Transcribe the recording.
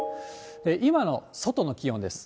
今の外の気温です。